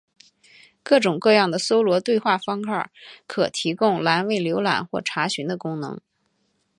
各式各样的搜寻对话方块可提供栏位浏览或查询的功能。